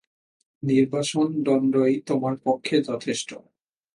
নির্বাসন দণ্ডই তোমার পক্ষে যথেষ্ট।